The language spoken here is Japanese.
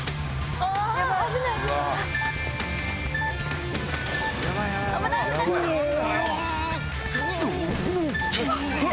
あっ！